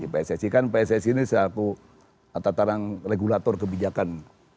pssi kan seaku tataran regulator kebijakan